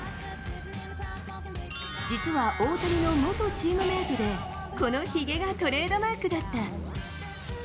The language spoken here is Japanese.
実は、大谷の元チームメートで、このひげがトレードマークだった。